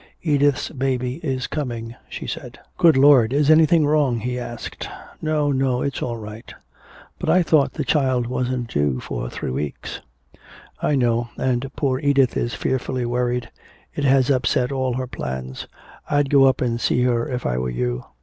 "Edith's baby is coming," she said. "Good Lord. Is anything wrong?" he asked. "No, no, it's all right " "But I thought the child wasn't due for three weeks." "I know, and poor Edith is fearfully worried. It has upset all her plans. I'd go up and see her if I were you.